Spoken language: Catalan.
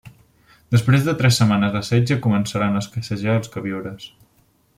Després de tres setmanes de setge començaren a escassejar els queviures.